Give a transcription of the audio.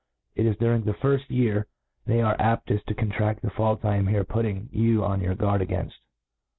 It^ is during the firft year they arc apteft to contraa the faults I am here putting, youonyour guard againft.